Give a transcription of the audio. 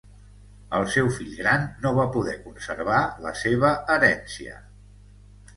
El seu fill gran no va poder conservar la seva herència.